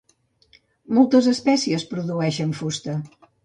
Moltes espècies produeixen fusta.